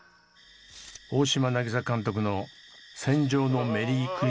大島渚監督の「戦場のメリークリスマス」に出演。